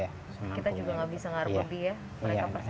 kita juga gak bisa ngarep lebih ya